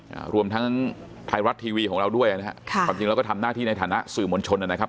อ่ารวมทั้งไทยรัฐทีวีของเราด้วยอ่ะนะฮะค่ะความจริงเราก็ทำหน้าที่ในฐานะสื่อมวลชนนะครับ